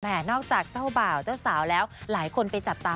นอกจากเจ้าบ่าวเจ้าสาวแล้วหลายคนไปจับตา